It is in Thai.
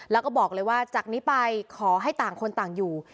แล้วก็บอกเลยว่าจากนี้ไปขอให้ต่างคนต่างอยู่